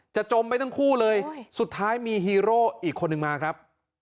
จมไปทั้งคู่เลยสุดท้ายมีฮีโร่อีกคนนึงมาครับ